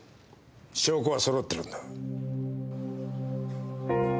証拠は揃ってるんだ。